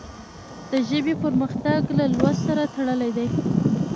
د ژبې پرمختګ له لوست سره تړلی دی.